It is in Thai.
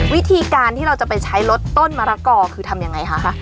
วิธีการที่เราจะไปใช้ลดต้นมะละกอคือทำยังไงคะ